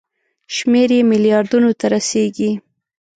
شمېر یې ملیاردونو ته رسیږي.